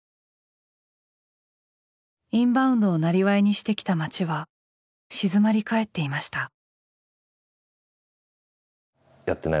インバウンドをなりわいにしてきた街は静まり返っていました。